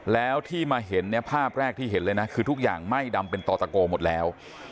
แล้วที่มาเห็นเนี่ยภาพแรกที่เห็นเลยนะคือทุกอย่างไหม้ดำเป็นต่อตะโกหมดแล้ว